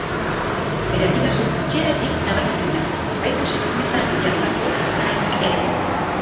Bere argitasun bitxiagatik nabarmentzen da, baita xehetasunetan jarritako arretagatik ere.